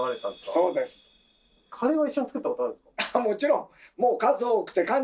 もちろん！